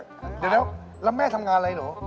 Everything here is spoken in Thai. เดี๋ยวแล้วแม่ทำงานอะไรเหรอ